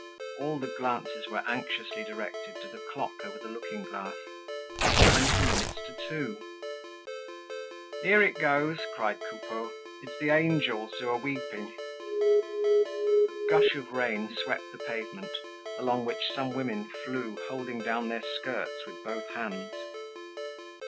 All the glances were anxiously directed to the clock over the looking glass; it was twenty minutes to two. "Here it goes!" cried Coupeau. "It's the angels who're weeping." A gush of rain swept the pavement, along which some women flew, holding down their skirts with both hands.